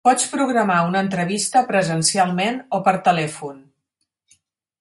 Pots programar una entrevista presencialment o per telèfon.